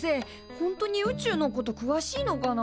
本当に宇宙のことくわしいのかなあ？